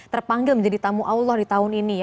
terpanggil menjadi tamu allah di tahun ini